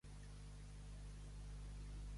Qui et canta la cobla, eixe te la pega.